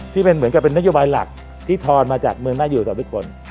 ที่เป็นเหมือนกับเป็นนโยบายหลักที่ทอนมาจากเมืองน่าอยู่กับทุกคน